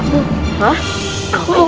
tunggu tunggu tunggu